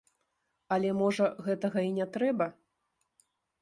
Але, можа, гэтага і не трэба!